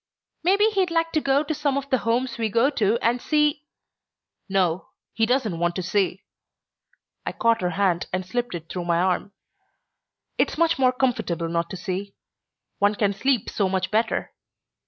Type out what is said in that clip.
"Maybe he'd like to go to some of the homes we go to and see " "No. He doesn't want to see." I caught her hand and slipped it through my arm. "It's much more comfortable not to see. One can sleep so much better.